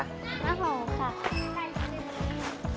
โมโหค่ะ